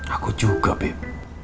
aku juga beb